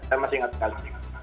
saya masih ingat sekali